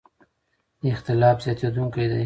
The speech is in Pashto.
اختلاف زیاتېدونکی دی.